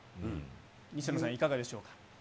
西野さん、いかがでしょうか。